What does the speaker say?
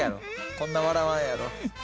こんな笑わんやろ。